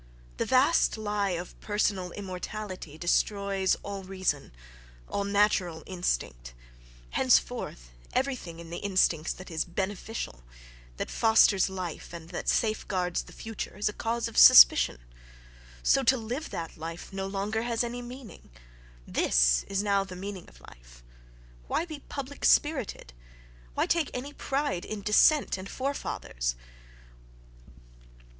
The vast lie of personal immortality destroys all reason, all natural instinct—henceforth, everything in the instincts that is beneficial, that fosters life and that safeguards the future is a cause of suspicion. So to live that life no longer has any meaning: this is now the "meaning" of life.... Why be public spirited? Why take any pride in descent and forefathers?